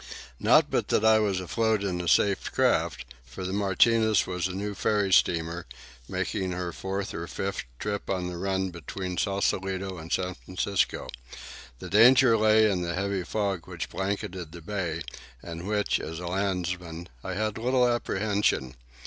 Not but that I was afloat in a safe craft, for the Martinez was a new ferry steamer, making her fourth or fifth trip on the run between Sausalito and San Francisco. The danger lay in the heavy fog which blanketed the bay, and of which, as a landsman, I had little apprehension.